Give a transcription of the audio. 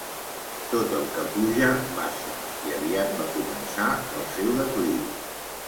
Tot el que puja baixa, i aviat va començar el seu declivi.